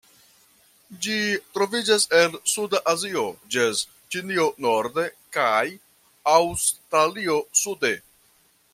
Ĝi troviĝas el suda Azio, ĝis Ĉinio norde kaj Aŭstralio sude.